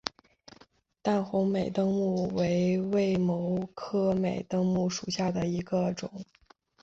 淡红美登木为卫矛科美登木属下的一个种。